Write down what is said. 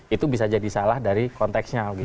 itu bisa jadi salah dari konteksnya